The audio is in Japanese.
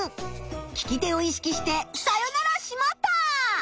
聞き手を意識してさよなら「しまった！」。